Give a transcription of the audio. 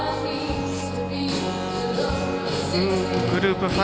グループ